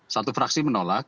satu fraksi menolak